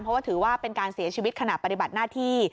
เพราะว่าถือว่าเป็นการเสียชีวิตขณะปฏิบัติหน้าที่